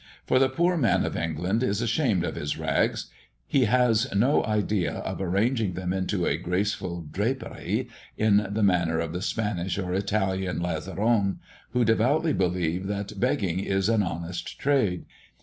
For the poor man of England is ashamed of his rags; he has no idea of arranging them into a graceful draperie in the manner of the Spanish or Italian Lazarone, who devoutly believes that begging is an honest trade.